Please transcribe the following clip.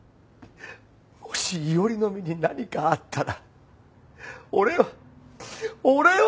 もし伊織の身に何かあったら俺は俺は！